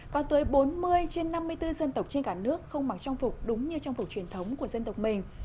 có tới bốn mươi trên năm mươi bốn dân tộc trên cả nước không mặc trang phục đúng như trang phục truyền thống của dân tộc mình